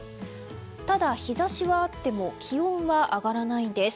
ただ、日差しはあっても気温は上がらないんです。